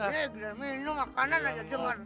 ya minum makanan aja jangan